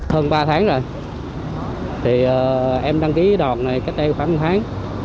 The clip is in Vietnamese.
hơn ba tháng rồi em đăng ký đoàn này cách đây khoảng một tháng